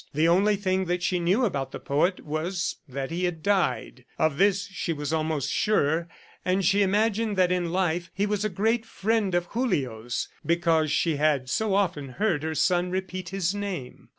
The only thing that she knew about the poet was that he had died. Of this she was almost sure, and she imagined that in life, he was a great friend of Julio's because she had so often heard her son repeat his name.